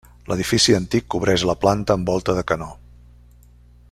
L'edifici antic cobreix la planta amb volta de canó.